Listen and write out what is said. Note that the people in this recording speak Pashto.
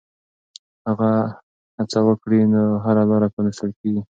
که هڅه وکړې نو هره لاره پرانیستل کېږي.